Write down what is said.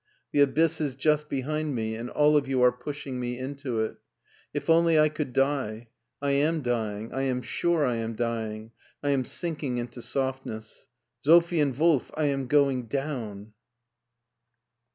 The abyss is just behind me and all of you are pushing me into it If only I could die. I am dying, I am sure I am d3ring, I am sinking into softness. Sophie and Wolf, I am going down!